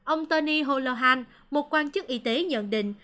ông tony holohan một quan chức y tế nhận định